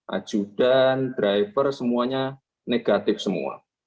ajudan driver semuanya negatif semua